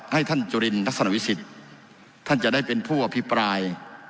ให้ท่านจุลินลักษณะวิสิทธิ์ท่านจะได้เป็นผู้อภิปราย